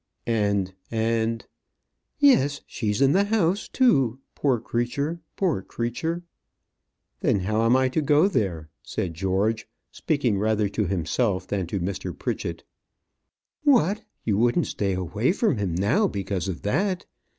"And and " "Yes, she's in the house, too poor creature poor creature!" "Then how am I to go there?" said George, speaking rather to himself than to Mr. Pritchett. "What! you wouldn't stay away from him now because of that?